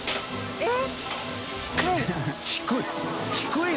えっ！